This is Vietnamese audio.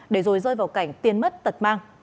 để rồi rơi vào cảnh tiền mất tật mang